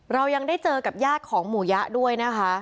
เรายังได้เจอกับญาติของหมู่ยะด้วยนะคะ